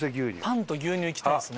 パンと牛乳いきたいですね。